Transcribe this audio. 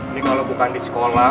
ini kalau bukan di sekolah